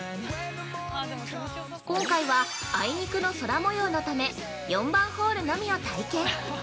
今回は、あいにくの空模様のため４番ホールのみを体験。